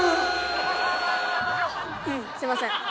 すいません。